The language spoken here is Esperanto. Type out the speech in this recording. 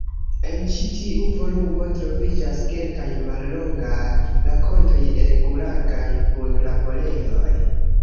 En ĉi tiu volumo troviĝas kelkaj mallongaj rakontoj el Gulagaj punlaborejoj.